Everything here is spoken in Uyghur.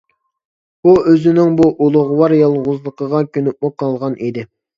ئۇ ئۆزىنىڭ بۇ ئۇلۇغۋار يالغۇزلۇقىغا كۆنۈپمۇ قالغان ئىدى.